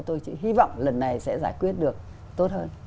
tôi hy vọng lần này sẽ giải quyết được tốt hơn